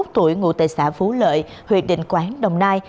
hai mươi tuổi ngụ tại xã phú lợi huyện định quán đồng nai